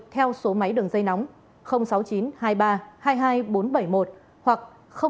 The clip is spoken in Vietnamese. theo số máy đường dây nóng sáu mươi chín hai mươi ba hai mươi hai bốn trăm bảy mươi một hoặc sáu mươi chín hai mươi ba hai mươi một sáu trăm sáu mươi bảy